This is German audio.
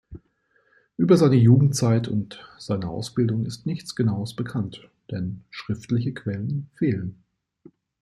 Über seine Jugendzeit und seine Ausbildung ist nichts Genaues bekannt, denn schriftliche Quellen fehlen.